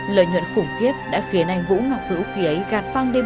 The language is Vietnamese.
lợi nhuận khủng khiếp đã khiến anh vũ ngọc hữu kia ấy gạt phăng